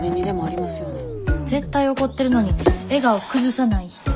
絶対怒ってるのに笑顔崩さない人。